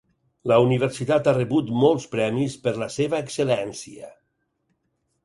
La universitat ha rebut molts premis per la seva excel·lència.